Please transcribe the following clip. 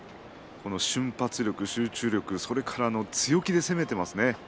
瞬発力、集中力それから強気で攻めていますね。